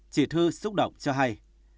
chị thư xúc động cho hay